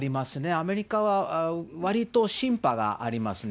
アメリカはわりとシンパがありますね。